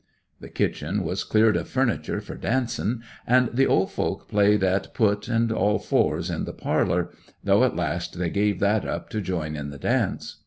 'The kitchen was cleared of furniture for dancing, and the old folk played at "Put" and "All fours" in the parlour, though at last they gave that up to join in the dance.